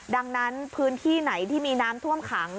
ดังนั้นพื้นที่ไหนที่มีน้ำท่วมขัง